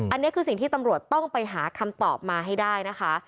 อันนี้คือสิ่งที่ตำรวจต้องไปหาคำตอบมาให้ได้นะคะ